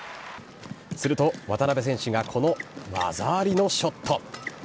すると、渡辺選手がこの技ありのショット。